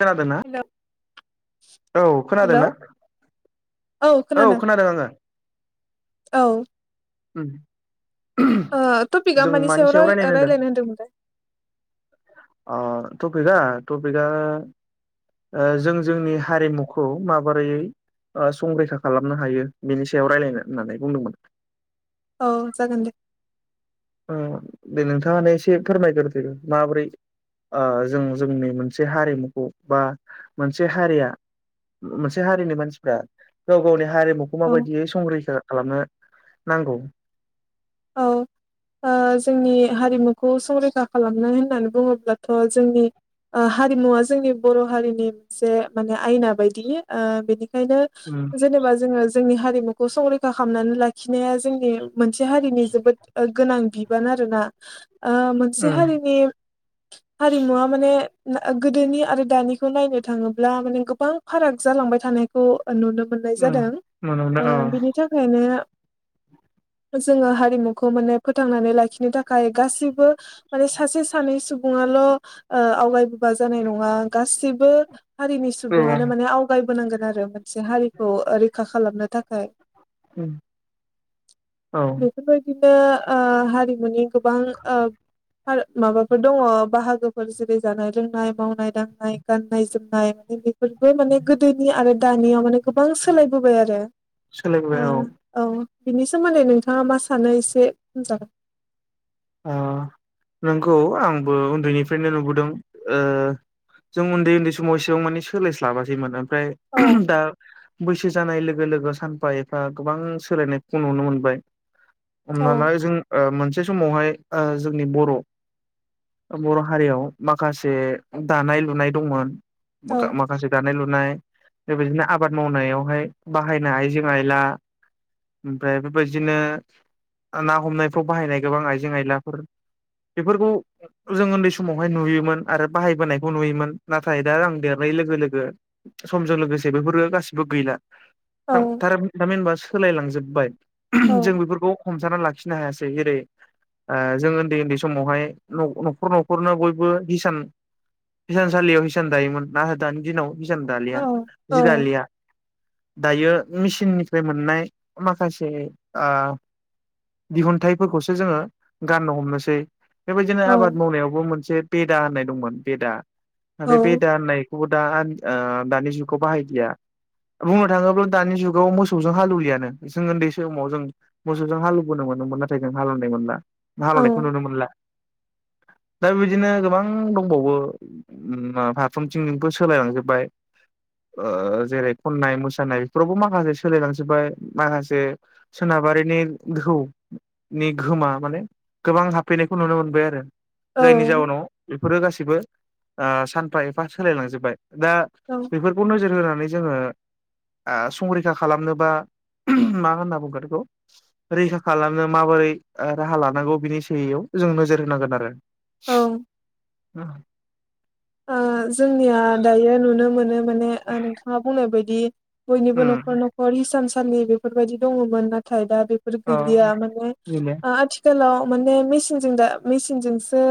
खोनादोना? हेल' औ हेल' खोनादो ना? औ खोनादों आङो। औ। उम। ओ टपिकआ मानि सायाव राय ओ रायलायनो होनदोंमोनलाय? अ टपिकआ टपिकआ ओ जों जोंनि हारिमुखौ माबोरैयै ओ संरैखा खालामनो हायो बेनि सायाव रायलायनो होननानै बुंदोंमोन। औ जागोन दे। ओ दे नोंथाङानो एसे फोरमायग्रोदो माब्रै ओ जों जोंनि मोनसे हारिमुखौ बा मोनसे हारिया मोनसे हारिनि मानसिफ्रा गाव गावनि हारि मुखौ औ माबायदियै संरैखा खालामनो नांगौ। औ ओ जोंनि हारिमुखौ संरैखा खालामनाय होननानै बुङोब्लाथ जोंनि ओ हारिमुवा जोंनि बर' हारिनि मोनसे माने आयना बायदि। ओ बेनि खायनो उम जेनेबा जोङो जोंनि हारि मुखौ संरैखा खामनानै लाखिनाया जोंनि मोनसे हा रिनि जोबोद ओ गोनां बिबान आरोना। ओ मोनसे उम हारिनि हारिमुवा माने गोदोनि आरो दानिखौ नायनो थाङोब्ला माने गोबां फाराग जालांबाय थानायखौ नुनो मोननाय उम जादों। ओ मोनदां औ बिनि थाखायनो जोंङो हारिमुखौ माने फोथांनानै लाखिनो थाखाय गासिबो माने सासे सानै सुबुङाल' ओ आवगाय बोबा जानाय नङा गासि बो हारिनि औ सुबुङानो माने आवगाय बोनांगोन आरो मोन से हारिखौ ओ रै खा खालामनो थाखाय। उम औ बेफोर बायायदि नो ओ हारिमुनि गोबां ओ माबाफोर दङ बाहागोफोर जेरै जानाय लोंनाय मावनाय दांनाय गाननाय जोमनाय माने बेफोरबो माने गोदोनि आरो दानियाव माने गोबां सोलायबोबाय आरो ओ औ। बिनि सोमोन्दै नोंथा ङा मा सानो एसे होनजा ओ नोंगौ आंबो उन्दैनिफ्रायनो नुबोदों ओ जों उन्दै उन्दै समाव एसेबां माने सोलायस्लाबासैमोन। ओमफ्राय औ दा बैसो जानाय लो गो लोगो सानफा एफा गोबां सोलायनायखौ नुनो मोनबाय। औ हमना ला जों ओ मोनसे समावहाय ओ जोंनि बर' बर' हारियाव माखासे दानाय लुनाय दंमोन औ माखा-माखासे दानाय लुनाय बेबायदिनो आबाद मावनायावहाय बाहायनो आइजें आइला ओमफ्राय बेबायदिनो ना हमनायफ्राव बाहायनाय गोबां आइ आइजें आइलाफोर बेफोरखौ जों उन्दै समावहाय नुयोमोन आरो बाहायबोनायखौ नुयोमोन नाथाय दा आं देरनाय लोगो लोगो समजों लोगोसे बेफोरो गासिबो गैला। औ थां थारा-थामिनबा सोलायलांजा जोबबाय। औ जों बेफोरखौ हमथाना लाखिनो हायासै। जेरै ओ जों उन्दै उन्दै समावहाय न-न'खर न'खरनो बयबो हिसान हिसानसालियाव हिसान दायोमोन नाथाय दानि दिनाव हिसान दालिया औ जि दालिया दायो मिसिननिफ्राय मोननाय माखासे ओ दिहुनन्थाइफोरखौसो जोंङो गाननो हमनोसै। बेबायदिनो औ आबाद मावनायावबो मोनसे बेदा होननाय दंमोन। बेदा बे बेदा होननायखौबो दा ओ दानि जुगाव बाहायलिया बुंनो थाङोब्ला दानि जुगाव मोसौजों हालौवलियानो जों उन्दै समाव जों मोसौजों हालौबोनो मोनोमोन नाथाय जों हालेवनाय मोनला। हालेवनायखौ नुनो मोनला। दा बेबायदिनो गोबां दंबावो फारफ्रोमथिंजोंबो सोलायलांजोबबाय जेरै खननाय मोसानाय बेफोरावबो माखासे सोलायलांजोबबाय माखासे सोनाबारिनि दोहौनि गोहोमा माने गोबां हाबफैनायखौ नुनो मोनबाय आरो। औ जायनि जाऊनाव बेफोरो गासिबो सानफा एफा सोलायलांजोब्बाय। दा औ बेफोरखौ नोजोर होनानै जोङो संरैखा खालामनो बा मा होनना बुंगोन बेखौ रैखा खालामनो माबोरै राहा लानो नांगौ बिनि सायाव जों नोजोर होनांगोन आरो। औ [inaudible] जोंनिया दायो नुनो मोनो माने नोंथाङा बुंनाय बायदि बयनिबो उम न'खर न'खर इसान सा साननि बेफोरबायदि दङमोन नाथाय दा बेफोर औ गैलिया माने उम आथिखालाव माने मेसिनजों दा मेसिनजोंसो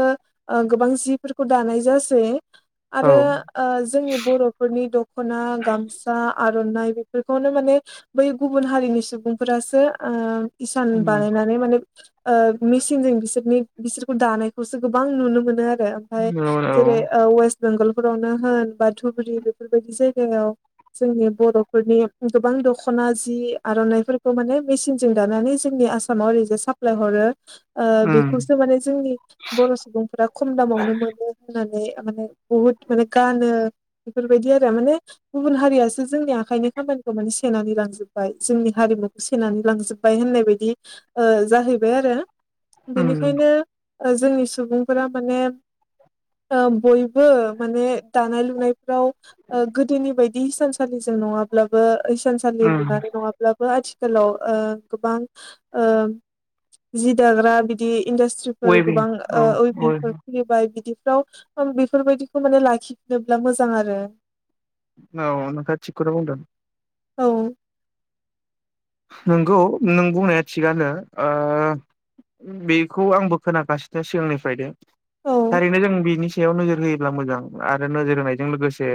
गोबां जिफोरखौ दानाय जासै। आरो जोंनि बर'फोरनि दख'ना गामसा आर'नाइ बेफोरखौनो माने बै गुबुन हारिनि सुबुंफोरासो ओ इसान बानायनानै माने ओ मेचनजों बिसोरनि बिसोरखौ दानायखौसो गोबां नुनो मोनो आरो। ओमफ्राय औ जेरै वेस्ट बेंगलफोरावनो होन बा धुबुरि बेफोरबायदि जायगायाव जोंनि बर'फोरनि गोबां दख'ना जि आर'नाइफोरखौ माने मेसिनजों दानानै जोंनि आसामाव ओरैजाय साप्लाय हरो। ओ उम बेखौसो माने जोंनि बर' सुबुंफोरा खम दामावनो मोनो होननानै थारमाने बुहुत माने गानो बेफोरबायदि आरो माने गुबुन हारियासो जोंनिया आखाइनि खामानिखौ माने सेनानै लांजोब्बाय जोंनि हारिमुखौ सेनानै लांजोब्बाय होननाय बायदि जाहैबाय आरो। उम बेनिखायनो जोंनि सुबुंफोरा माने। बयबो माने दानाय लुनायफ्राव गोदोनि बायदि हिसानसालिजों नङाब्लाबो हिसानसालि उम लुनानै नङाब्लाबो आ आथिलाव गोबां जि दाग्रा बिदि इन्डास्ट्रिफोर वेबिं गोबां औ औ उइभंफोर खुलिबाय बिदि [inaudible] बेफोरबायदिखौ माने लाखिनोब्ला मोजां आरो। औ नोंथांआ थिगखौनो बुंदों। औ। नोंगौ नों बुंनाया थिगानो बेखौ आंबो खोनागासिनो सिगांनिफ्रायनो। औ थारैनो जों बिनि सायाव नोजोर होयो। मोजां आरो नोजोर होनायजों लोगोसे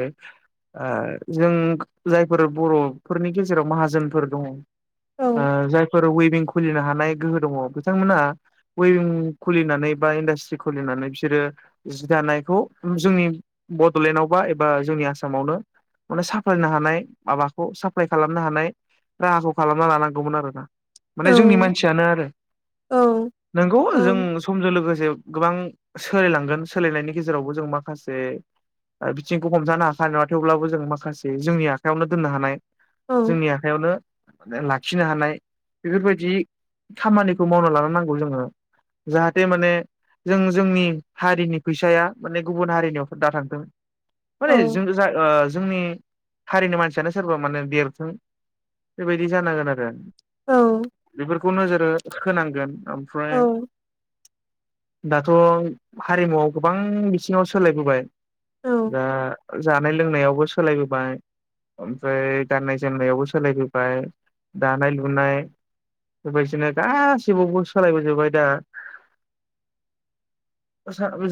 जों जायफोर बर'फोरनि गेजेराव माहाजोनफोर दङ औ जायफोर वइ भिं खुलिनो हानाय गोहो दङ बिथांमोनहा वइभिं खुलिनानै बा इन्डास्ट्रि खुलिनानै बिसोरो जि दानायखौ जोंनि बड'लेण्डआवबा एबा जोंनि आसामावनो माने साफ्लायनो हानाय माबाखौ साप्लाय खालामनो हानाय राहाखौ खालामना लानांगौमोन आरो ना माने औ जोंनि मानसियानो आरो औ नंगौ जों ओम समजों लोगोसे गोबां सोलायलांगोन सोलायनायनि गेजेरावबो जों माखासे बिथिंखौ हमजानो हाखानाय नङा थेवब्लाबो जों माखासे जोंनि आखायावनो दोननो हानाय औ जोंनि आखयावनो लाखिनो हानाय बेफोरबायदि खामानिखौ मावना लानो नांगौ जोङो जाहाथे माने जों जोंनि हारिनि फैसाया माने गुबुन हारिनियाव दा थांथों हरै औ जों जा जोंनि हारिनि मानसियानो सोरबा माने देरथों बेबायदि जानांगोन आरो औ बेफोरखौ नोजोरो होनांगोन ओमफ्राय औ दाथ' हारिमुआव गोबां बिथिङाव सोलायबोबाय औ दा जानाय लोंनायावबो सोलायबोबाय ओमफ्राय गाननाय जोमनायावबो सोलायबोबाय ओमफ्राय दानाय लुनाय बेबायदिनो गासिबावबो सोलायबोजोबबाय दा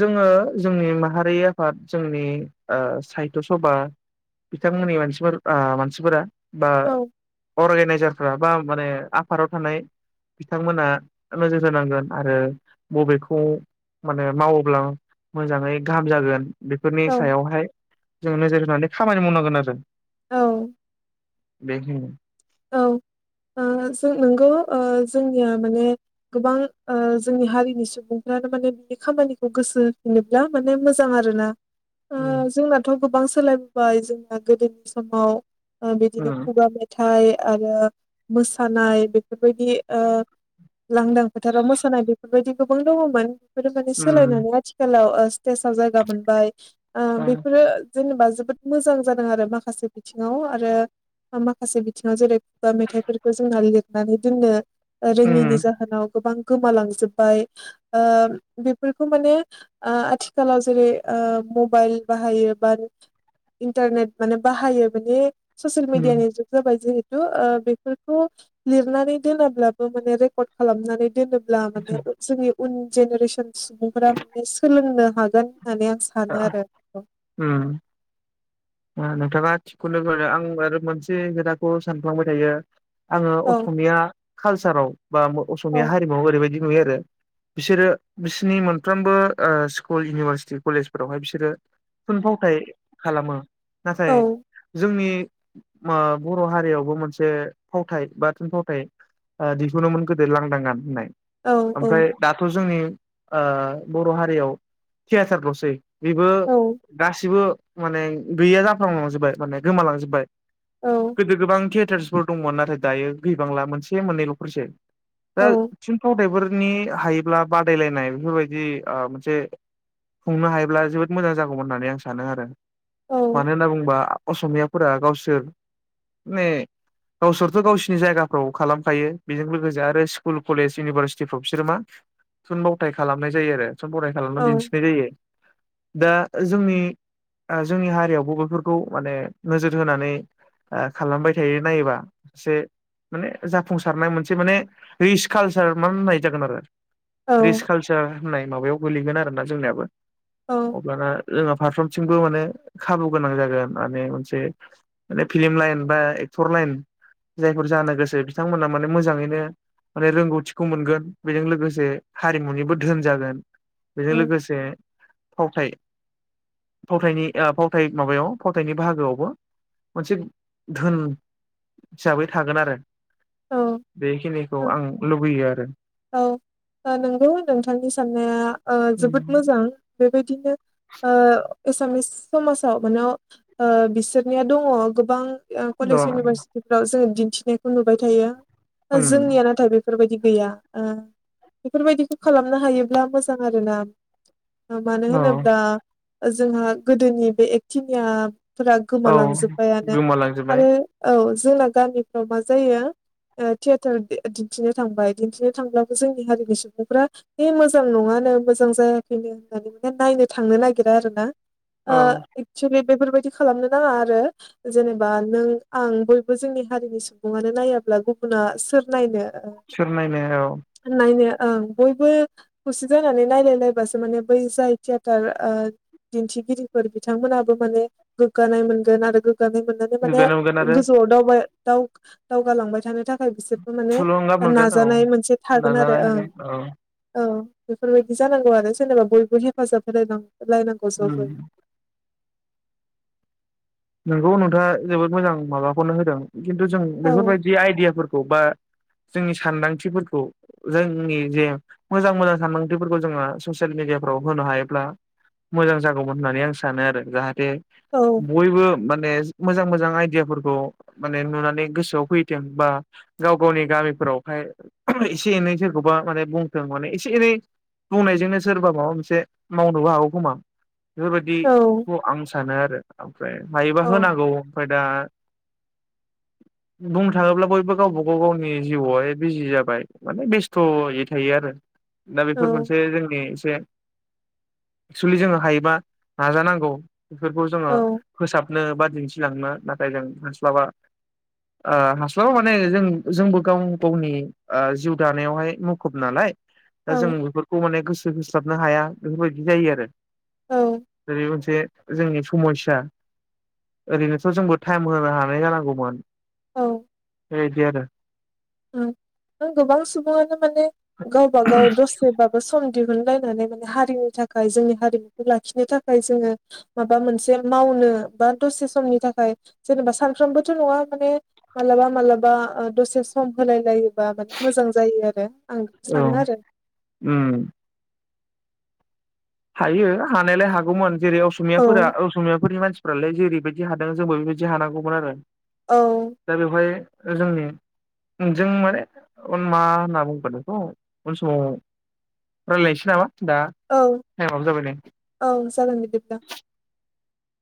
जोङो जोंनि माहारि आफाद जोंनि साहित्य सभा बिथांमोननि मानसिफोर मानसिफोरा बा औ अर्गेनाइजारफ्रा बा माने आफादाव थानाय बिथांमोना नोजोर होनांगोन आरो बबेखौ माने मावोब्ला मोजाङै गाहाम जागोन बेफोरनि औ सायावहाय जों नोजोर होनानै खामानि मावनांगोन आरो औ बेखा औ, जों नोंगौ जोंनिया माने गोबां जोंनि हारिनि सुबुंफ्रानो माने बिनि खामानिखौ गोसो होफिनोब्ला माने मोजां आरोना। अ उम जोंनाथ' गोबां सोलायबोबाय जोंना गोदोनि समाव। बिदिनो उम खुगा मेथाइ आरो मोसानाय बेफोरबायदि। अ लांदां फोथाराव मोसानाय बेफोरबायदि गोबां दङमोन। बेफोर माने सोलायनानै आथिखालाव अ स्टेसाव जायगा मोनबाय। ओ बेफोरो जेनेबा जोबोद मोजां जादों आरो माखासे बिथिङाव आरो माखासे बिथिङाव जेरै खुगा मेथाइफोरखौ जोंना लिरनानै दोननो। रोङिनि उम जाहोनाव गोबां गोमालांजोबबाय, ओ बेफोरखौ माने ओ आथिखालाव जेरै ओ मबाइल बाहायो बा इन्टारनेट माने बाहायो माने ससियेल उम मिडियानि बाय जिहेथु, ओ बेफोरखौ लिरनानै दोनाब्लाबो माने रेकर्ड खालामनानै दोनो लानांगोन जोंनि उन जेनेरेसन सुबुंफोरा माने सोलोंनो हागोन। होनानै आं सानो आरो। नोंथाङा थिगखौनो मोनो आं आरो मोनसे खोथाखौ सानफ्लांबाय थायो। आङो औ असमिया कालसाराव बा औ अमिया हारिमुवाव ओरैबायदि नुयो आरो, बिसोरो बिसोरनिबो मोनफ्रोमबो ओ स्कुल इउनिभारसिटि कलेज फोरावहाय बिसोरो थुनफावथाय खालामो। औ नाथाय जोंनि मा बर' हारियावबो मोनसे फावथाय बा थुनफावथाय दिहुनोमोन गोदो लांदां गान होननाय। औ औ ओमफ्राय दाथ' जोंनि ओ बर' हारियाव थियाटारलसै बेबो औ गासिबो माने गैया जाफ्लांलांजोबबाय माने गोमालांजोब्बाय। औ गोदो गोबां खे तियातारसफोर दंमोन नाथाय दायो गैबांला मोनसे मोननैल फोरसै। दा औ थिन फावथायफोर नि हायोब्ला बादायलायनाय बेफोरबादि ओ मोनसे खुंनो हायो होनब्ला जोबोद मोजां जागौमोन होननानै आं सानो आरो औ मानो होनना बुंबा, असमियाफोरा गावसोर माने गावसोरथ' गावसोरनि जायगाफ्राव खालामखायो बेजों लोगोसे आरो स्कुल कलेज इउनिभारसिटिफ्राव बिसोरो मा थुनबावथाय खालामनाय जायो आरो फांसन बरायना थालांना दिन्थिनाय जायो। दा जोंनि जोंनि हारियावबो बेफोरखौ माने नोजोर होनानै ओ खालामबाय थायो नायोबा जे माने जाफुंसारनाय मोनसे माने रिच कालचार मा होननाय जागोन आरो रिस औ खालसार होननाय माबायाव गोगलैगोन आरो ना जोंनियाबो, अब्लाना जोंहा फारसन, थिंबो माने खाबु गोनां जागोन माने मोनसे माने फिलम लाइन बा एक्टर लाइन जायफोर जानो गोसो बिथांमोना माने मोजाङैनो माने रोंगौथिखौ मोनगोन बेजों लोगोसे हारिमुनिबो धोन जागोन, बेजों औ लोगोसे फावथायावथायनि फावथाय माबायाव फावथायनि बाहागोआवबो मोनसे धोन हिसाबै थागोन आरो औ बेखिनिखौ औ आं लुबैयो आरो औ ओ नंगौ नोंथांनि साननाया ओ जोबोद उम मोजां। बेबायदिनो ओ एसामिस समाजाव मानाव ओ बिसोरनिया दङ गोबां ओ अ कलेज इउनिभारसिटिफोराव जोङो दिन्थिनायखौ नुबाय थायो। ओम जोंनिया नाथाय बेफोरबायदि गैया ओ बेफोरबायदिखौ खालामनो हायोब्ला मोजां आरो ना। ओ मानो औ होनोब्ला जोंहा गोदोनि बे एक्टिनिया फोरा औ गोमालांजोब्बायानो गोमालांजोबबाय आरो औ जोंना गामिफ्राव मा जायो थियेटार दिन्थिनो थांबाय दिन्थिनो थांब्लाबो जोंनि हारिनि सुबुंफ्रा बे मोजां नङानो मोजां जायाखैनो होननानै माने नायनो थांनो नागिरा आरो ना। ओ औ एक्सवलि बेफोरबायदि खालामनो नाङा आरो जेनेबा नों आं बयबो जोंनि हारिनि सुबुङानो नायाब्ला गुबुना सोर नायनो ओ सोर नायनो औ नायनो ओं बयबो खौसे जानानै नायलायलायबासो माने बै जाय थियेटारओ दिन्थिगिरिफोर बिथांमोनाबो माने गोग्गानाय मोनगोन आरो गो गोग्गानाय मोननानै माने गोग्गानो मोनगोन आरो गोजौ दावबाय दाव दावगालांबाय थानो थाख [unintelligible] बिसोरबो माने नाजानाय मोनसे थागोन आरो नाजानाया ओं थागोन औ औ बेफोरबायदि जानांगौ आरो जेनेबा बयबो हेफाजाब होलाय नां लानांगौ ओम [unintelligible] नोंखौ नोंथाङा जोबोद मोजां माबाखौनो होदों खिन्थु जों औ बेफोरबायदि आइदियाफोर [unintelligible] जोंनि सानदांथिफोरखौ जोंनि जे मोजां मोजां सानदांथिफोरखौ जोङो ससियेल मेडियाफ्राव होनो हायोब्ला मोजां जागौमोन होननानै आं सानो आरो जाहाथे जे औ बयबो माने मोजां मोजां आइदियाफोरखौ माने नुनानै गोसोआव फैथों बा गाव गावनि गामिफोरावहाय एसे एनै सोरखौबा माने बुंथों माने एसे एनै बुंनायजोंनो सोरबा माबा मोनसे मावनोबो हागौ खोमा औ बेफोरबायदिखौ आं सानो आरो ओमफ्राय हायोबा औ होनांगौ ओमफाय दा बुंनो थाङोब्ला बयबो गावबागाव गावनि जिउआवहाय बिजि जाबाय माने बेस्थयै थायो आरो दा बेफोर औ मोनसे जोंनि [unintelligible] एक्सुलि जोङो हायोबा नाजानांगौ बेफोरखौ जोङो फोसाबनो बा दिन्थिलांनो नाथाय जों हास्लाबा ओ हास्लाबा माने जों जोंबो गाव गावनि ओ जिउ दानायावहाय मुखुब नालाय दा जों औ बेफोरखौ माने गोसो होस्लाबनो हाया बेफोरबायदि जायो आरो औ जेरै मोनसे जोंनि समाय्सा ओरैनोथ जोंबो टाइम होनो हानाय जानांगौमोन औ बेदि आरो ओम नों गोबां सुबुङानो माने गावब गाव दसेबाबो सम दिहुनलायनानै हारिनि थाखाय जोंनि हारिमुखौ लाखिनो थाखाय जोङो माबा मोनसे मावनो बा दसे समनि थाखाय जेनेबा सानफ्रामबोथ नङा माने मालाबा मालाबा दसे सम होलाय लाय बा मोजां जायो आरो आं औ सानो आरो उम हायो हानायलाय हागौमोन जेरै औ असमियाफोरा असमियाफोरनि मानसिफोरालाय जेरैबायदि बिदि हादों जोंबो बेबायदि हानांगौमोन आरो औ दा बेयावहाय जोंनि जों माने ओ मा होनना बुंगोन बेखौ उन समाव राय्लायनोसै नामा दा औ टाइमाबो जाबाय नै औ जागोन बिदिब्ला।